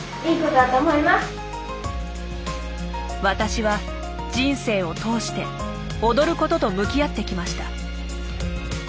私は人生を通して踊ることと向き合ってきました。